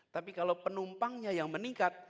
tapi kalau penumpangnya yang meningkat